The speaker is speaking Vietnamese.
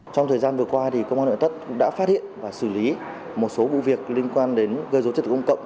trong thời gian vừa qua công an nội tất đã phát hiện và xử lý một số vụ việc liên quan đến gây dối trật tự công cộng